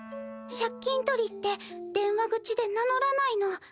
借金取りって電話口で名乗らないの。